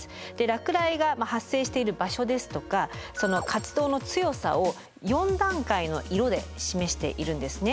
落雷が発生している場所ですとかその活動の強さを４段階の色で示しているんですね。